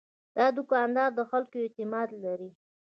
دا دوکاندار د خلکو اعتماد لري.